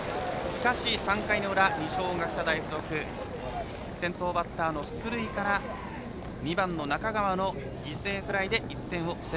しかし、３回の裏二松学舎大付属先頭バッターの出塁から２番の中川の犠牲フライです。